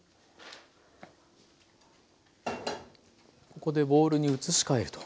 ここでボウルに移し替えると。